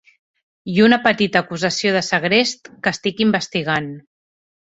I una petita acusació de segrest que estic investigant.